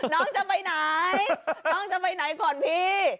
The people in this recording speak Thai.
น้องจะไปไหนน้องจะไปไหนก่อนพี่